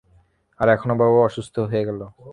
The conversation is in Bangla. আর এখন বাবাও অসুস্থ হয়ে গেল।